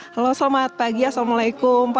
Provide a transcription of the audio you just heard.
halo selamat pagi assalamu'alaikum pak